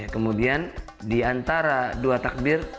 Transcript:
kemudian di antara dua takbir